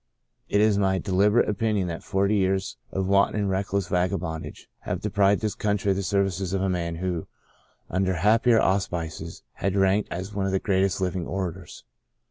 It is my delib erate opinion that forty years of wanton and reckless vagabondage have deprived this country of the services of a man who, under happier auspices, had ranked as one of the greatest of living orators.